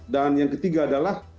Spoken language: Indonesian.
dan yang ketiga adalah